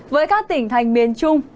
với các tỉnh thành miền trung